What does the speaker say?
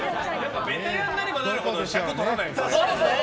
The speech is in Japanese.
ベテランになればなるほど尺取らないんですね。